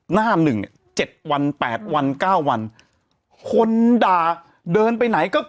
หน้านึง๗วัน๘วัน๙วันคนด่าเดินไปไหน